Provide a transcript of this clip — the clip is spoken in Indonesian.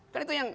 kan itu yang